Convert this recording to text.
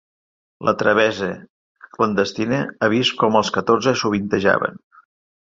La travessa clandestina ha vist com els catorze sovintejaven.